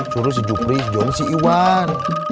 suruh si jupri si joni si iwan